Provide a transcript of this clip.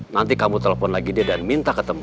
nanti kamu telepon lagi dia dan minta ketemu